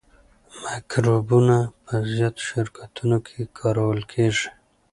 مکروبونه په زیاتو شرکتونو کې کارول کیږي.